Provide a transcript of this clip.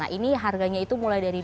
warga di sini biasanya sebutnya joloro